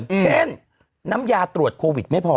เช่นน้ำยาตรวจโควิดไม่พอ